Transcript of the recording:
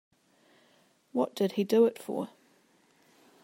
What did he do it for?